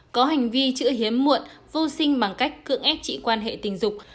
có hành vi chữ hiếm muộn vô sinh bằng cách cưỡng ép chị quan hệ tình dục